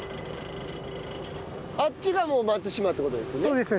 あっちがもう松島って事ですよね？